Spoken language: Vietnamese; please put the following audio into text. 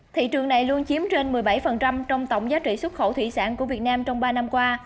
thị trường này luôn chiếm trên một mươi bảy trong tổng giá trị xuất khẩu thủy sản của việt nam trong ba năm qua